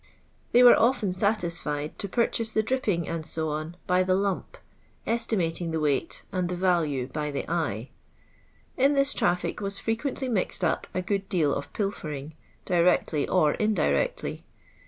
They were often satisfied to purchase the dripping, &c., by the lamp, estimating the weight and the value by the eye. In this traffic was frequently mixed up a good deal of pilfering, directly or indirectly.